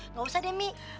nggak usah demi